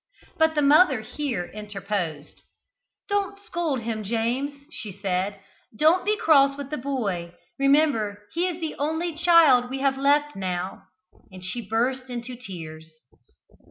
But the mother here interposed. "Don't scold him, James," she said. "Don't be cross with the boy remember he is the only child we have left now," and she burst into tears.